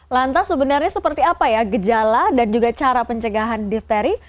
lantas sebenarnya seperti apa ya gejala dan juga cara pencegahan difteri